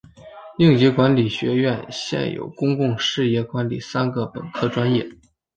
应急管理学院现有公共事业管理三个本科专业。